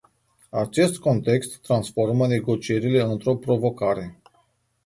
Acest context transformă negocierile într-o provocare.